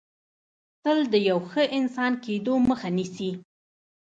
تل د یو ښه انسان کېدو مخه نیسي